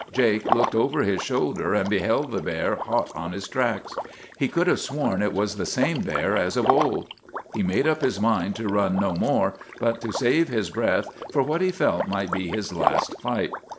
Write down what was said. Jake looked over his shoulder, and beheld the bear hot on his tracks. He could have sworn it was the same bear as of old. He made up his mind to run no more, but to save his breath for what he felt might be his last fight.